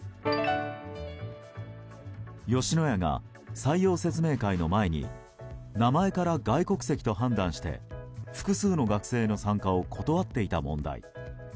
吉野家が採用説明会の前に名前から外国籍と判断して複数の学生の参加を断っていた問題。